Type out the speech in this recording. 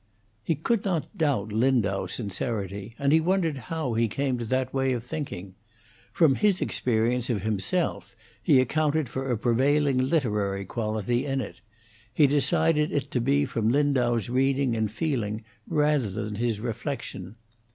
He could not doubt Lindau's sincerity, and he wondered how he came to that way of thinking. From his experience of himself he accounted for a prevailing literary quality in it; he decided it to be from Lindau's reading and feeling rather than his reflection.